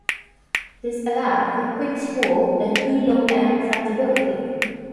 This allowed for quick spool and good low end tractibility.